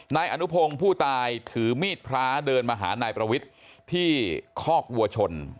นายอนุพงศ์ผู้ตายถือมีดพระเดินมาหานายประวิทย์ที่คอกวัวชน